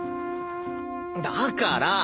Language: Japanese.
だからぁ